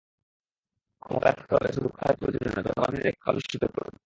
ক্ষমতায় থাকতে হলে শুধু কথার ফুলঝুরি নয়, জনগণের নিরাপত্তা নিশ্চিত করুন।